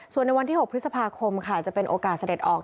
ส่วนในวันที่๖พฤษภาคมค่ะจะเป็นโอกาสเสด็จออก